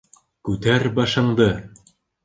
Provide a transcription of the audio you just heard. Күтәр башыңды.